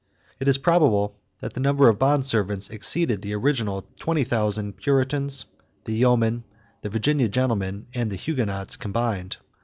It is probable that the number of bond servants exceeded the original twenty thousand Puritans, the yeomen, the Virginia gentlemen, and the Huguenots combined.